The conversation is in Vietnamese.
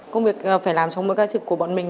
công việc phải làm trong mỗi ca trực của bọn mình